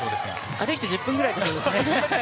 歩いて１０分くらいだそうですね。